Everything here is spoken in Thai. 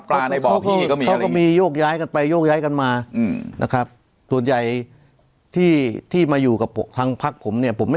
ไปช็อตปลาในบ่อพี่ก็มีอะไรอย่างงี้